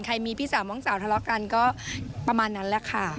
มีพี่สาวน้องสาวทะเลาะกันก็ประมาณนั้นแหละค่ะ